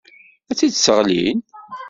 Ad t-sseɣlin.